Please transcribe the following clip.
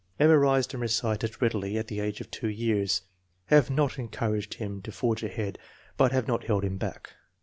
Memorized and recited readily at the age of 2 years. "Have not encouraged him to forge ahead, but have not held him back.